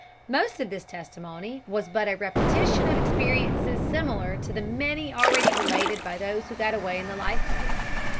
Most of this testimony was but a repetition of experiences similar to the many already related by those who got away in the life boats.